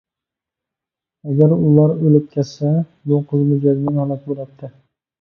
ئەگەر ئۇلار ئۆلۈپ كەتسە، بۇ قىزمۇ جەزمەن ھالاك بولاتتى.